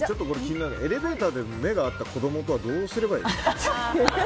エレベーターで目が合った子供とどうすればいいんですか。